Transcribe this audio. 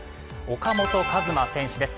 岡本和真選手です。